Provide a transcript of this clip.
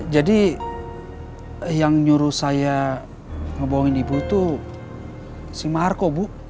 jadi yang nyuruh saya ngebohongin ibu tuh si marco bu